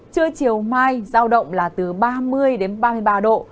trưa chiều mai giao động là từ ba mươi đến ba mươi ba độ